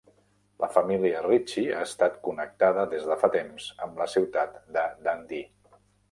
La família Ritchie ha estat connectada des de fa temps amb la ciutat de Dundee.